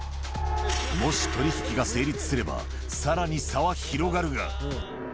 もし取り引きが成立すれば、さらに差は広がるが。